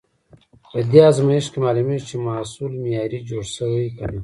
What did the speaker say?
په دې ازمېښت کې معلومېږي، چې محصول معیاري جوړ شوی که نه.